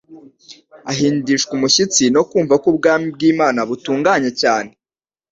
Ahindishwa umushyitsi no kumva ko ubwami bw'Imana butunganye cyane